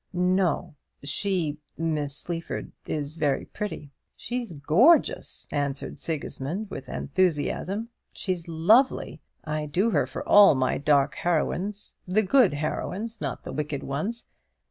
"No. She Miss Sleaford is very pretty." "She's gorgeous," answered Sigismund, with enthusiasm; "she's lovely. I do her for all my dark heroines, the good heroines, not the wicked ones.